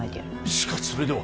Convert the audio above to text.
しかしそれでは。